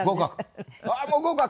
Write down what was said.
もう合格！